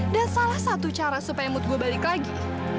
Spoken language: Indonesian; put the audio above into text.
dan salah satu cara supaya mood gue balik lagi